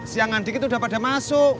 siang nanti kita udah pada masuk